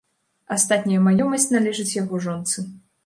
Астатняя маёмасць належыць яго жонцы.